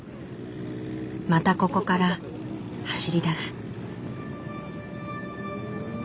またここから走りだす。